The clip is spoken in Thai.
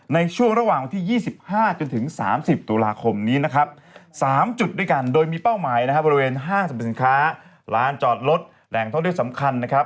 ในช่วงระหว่างวันที่๒๕จนถึง๓๐ตุลาคมนี้๓จุดด้วยกันโดยมีเป้าหมายบริเวณ๕สรรพสินค้าร้านจอดรถและแหล่งท่อเรียนสำคัญ